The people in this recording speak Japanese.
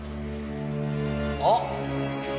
あっ！